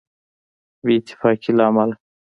بې اتفاقۍ له امله.